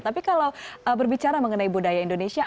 tapi kalau berbicara mengenai budaya indonesia